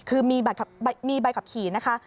คือมีใบขับขี่นะคะ